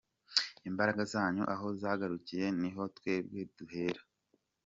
Imbaraga zanyu aho zagarukiye niho twebwe duhera.